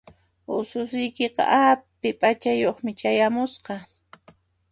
Ususiykiqa api p'achayuqmi chayamusqa.